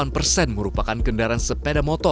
tujuh puluh delapan persen merupakan kendaraan sepeda